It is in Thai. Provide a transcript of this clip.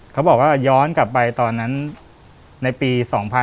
เขาบอกว่าย้อนกลับไปตอนนั้นในปี๒๕๖๒